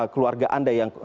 keluarga anda yang